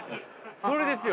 それですよ。